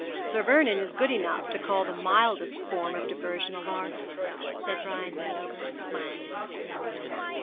'Sir Vernon is good enough to call the mildest form of diversion a lark!' said Brian Wendover, smiling at her.